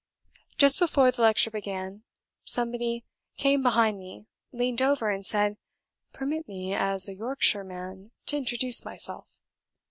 Just before the lecture began, somebody came behind me, leaned over and said, 'Permit me, as a Yorkshireman, to introduce myself.'